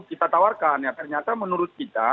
kita tawarkan ya ternyata menurut kita